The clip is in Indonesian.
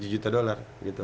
tujuh juta dolar gitu